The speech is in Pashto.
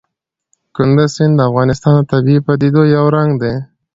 کندز سیند د افغانستان د طبیعي پدیدو یو رنګ دی.